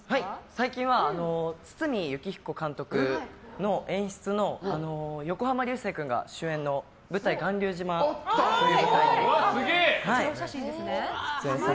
最近は堤幸彦監督の演出の横浜流星君が主演の「巌流島」という舞台に。